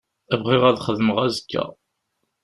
Bɣiɣ ad xedmeɣ azekka.